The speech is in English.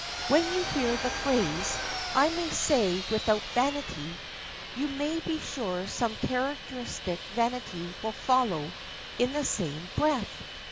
When you hear the phrase, "I may say without vanity," you may be sure some characteristic vanity will follow in the same breath.